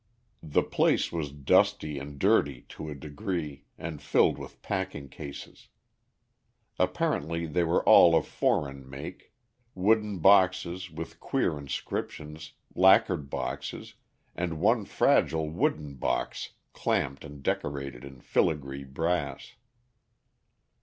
The place was dusty and dirty to a degree, and filled with packing cases. Apparently they were all of foreign make wooden boxes, with queer inscriptions, lacquered boxes, and one fragile wooden box clamped and decorated in filigree brass.